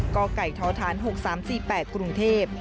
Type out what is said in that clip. กไก่ท้อทาน๖๓๔๘กรุงเทพ